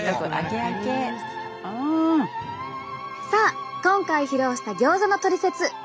さあ今回披露したギョーザのトリセツ。